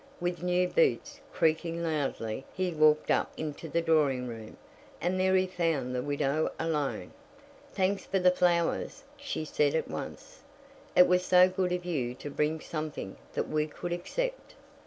With new boots, creaking loudly, he walked up into the drawing room, and there he found the widow alone. "Thanks for the flowers," she said at once. "It was so good of you to bring something that we could accept."